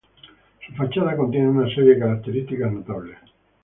Su fachada contiene una serie de características notables.